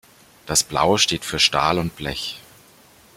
Das Blau steht für Stahl und Blech.